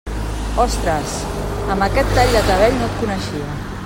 Ostres, amb aquest tall de cabell no et coneixia.